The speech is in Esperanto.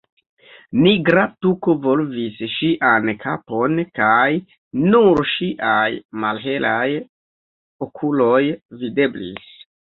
Nigra tuko volvis ŝian kapon kaj nur ŝiaj malhelaj okuloj videblis.